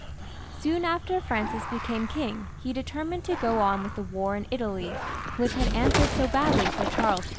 Soon after Francis became king, he settled to go on with the war in Italy/ which had answered so badly for Charles VIII.